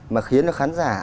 mà khiến khán giả